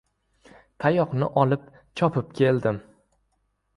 Tayoqni olib chopib keldim.